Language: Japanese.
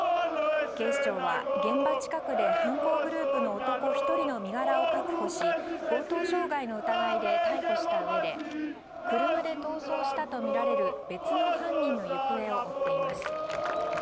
警視庁は現場近くで犯行グループの男１人の身柄を確保し、強盗傷害の疑いで逮捕したうえで車で逃走したとみられる別の犯人の行方を追っています。